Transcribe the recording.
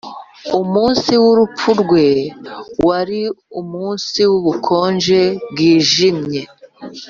umunsi w'urupfu rwe wari umunsi wubukonje bwijimye.